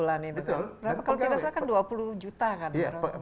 kalau tidak salah kan dua puluh juta kan